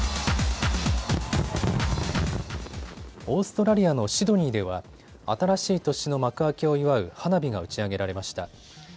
オーストラリアのシドニーでは新しい年の幕開けを祝う花火が打ち上げられました。